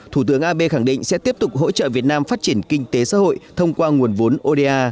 thủ tướng abe khẳng định sẽ tiếp tục hỗ trợ việt nam phát triển kinh tế xã hội thông qua nguồn vốn oda